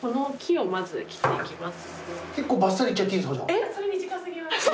えっ！